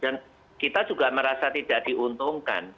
dan kita juga merasa tidak diuntungkan